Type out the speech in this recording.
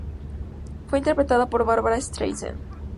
Fue interpretada por Barbra Streisand.